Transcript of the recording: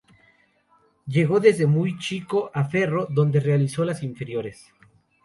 Llegó desde muy chico a Ferro, donde realizó las inferiores.